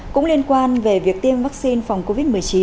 cũng liên quan về việc tiêm vaccine phòng covid một mươi chín